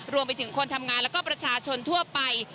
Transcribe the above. รวมไปถึงคนทำงานแล้วก็ประชาชนทั่วไป